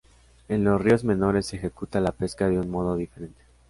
En los ríos menores se ejecuta la pesca de un modo diferente.